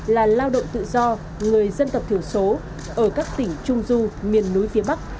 là lao động tự do người dân tộc thiểu số ở các tỉnh trung du miền núi phía bắc